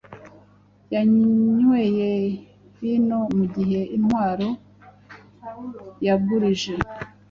Yanyweye vinomugihe intwaro yagurije